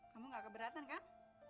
kamu gak keberatan kan